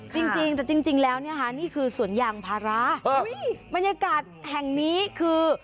จริงจริงแล้วนี่คือสวนยางพาราบรรยากาศแห่งนี้คือ